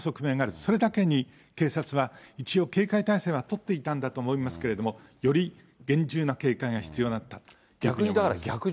それだけに、警察は一応、警戒態勢は取っていたんだと思いますけれども、より厳重な警戒が必要だというふうに思います。